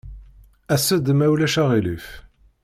As-d, ma ulac aɣilif.